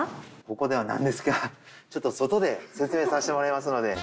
ここでは何ですからちょっと外で説明させてもらいますので。